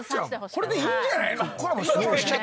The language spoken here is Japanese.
これでいいんじゃねえ？